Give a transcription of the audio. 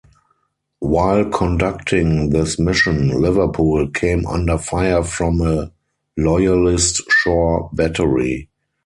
While conducting this mission, "Liverpool" came under fire from a Loyalist shore-battery.